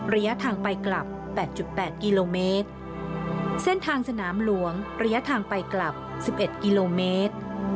ระยะทางไปกลับแปดจุดแปดกิโลเมตรเส้นทางสนามหลวงระยะทางไปกลับสิบเอ็ดกิโลเมตร